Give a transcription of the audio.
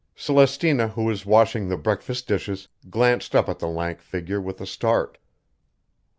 Celestina, who was washing the breakfast dishes, glanced up at the lank figure with a start.